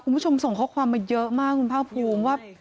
คุณผู้ชมส่งข้อความมาเยอะมากคุณภาคภูมิว่า